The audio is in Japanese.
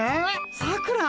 さくら？